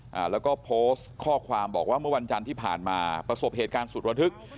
อ่าแล้วก็โพสต์ข้อความบอกว่าเมื่อวันจันทร์ที่ผ่านมาประสบเหตุการณ์สุดระทึก